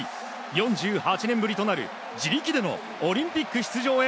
４８年ぶりとなる自力でのオリンピック出場へ